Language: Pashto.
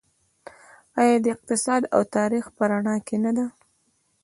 آیا د اقتصاد او تاریخ په رڼا کې نه ده؟